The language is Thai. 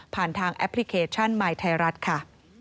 ทางแอปพลิเคชันมายไทยรัฐค่ะ